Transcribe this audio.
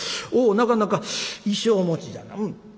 おおなかなか衣装持ちじゃな。